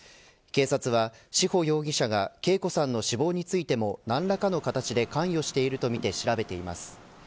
警察は志穂容疑者が啓子さんの死亡についても何らかの形で関与しているとみて調べています。